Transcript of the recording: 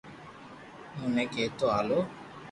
اوڻي ڪيڌو ھالو